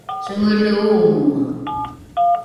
cengele oomoe